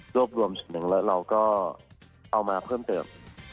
รวมส่วนหนึ่งแล้วเราก็เอามาเพิ่มเติม